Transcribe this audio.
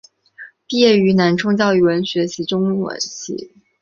毕业于南充教育学院中文系。